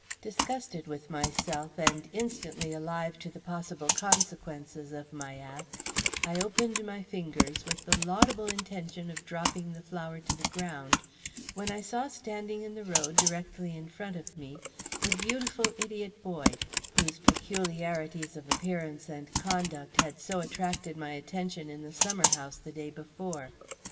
Disgusted with myself, and instantly alive to the possible consequences of my act, I opened my fingers with the laudable intention of dropping the flower to the ground, when I saw standing in the road directly in front of me the beautiful idiot boy whose peculiarities of appearance and conduct had so attracted my attention in the summer house the day before.